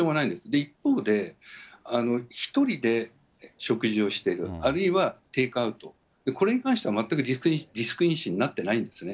一方で、１人で食事をしている、あるいはテイクアウト、これに関しては全くリスク因子になってないんですね。